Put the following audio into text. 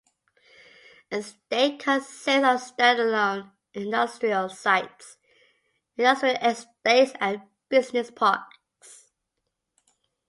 The estate consists of standalone industrial sites, industrial estates and business parks.